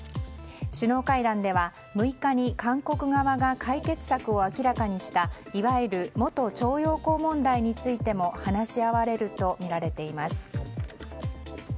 首脳会談では６日に韓国側が解決策を明らかにしたいわゆる元徴用工問題についても話し合われるとみられています。